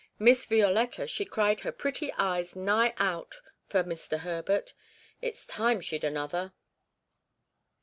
Miss Violetta, she cried her pretty eyes nigh out for Mr. Herbert; it's time she'd another.'